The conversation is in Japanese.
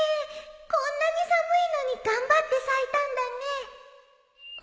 こんなに寒いのに頑張って咲いたんだね